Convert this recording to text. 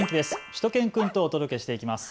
しゅと犬くんとお届けしていきます。